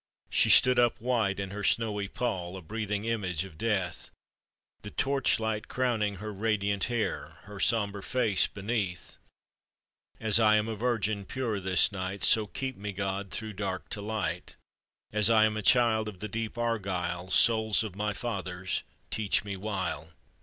She stood up white in her snowy pall, • A breathing image of death, The torch light crowning her radiant hair, Her sombre face beneath. "As I am a virgin pure this night, So keep me, God, through dark to light; As I am a child of the deep Argyle, Souls of my fathers! teach me wile."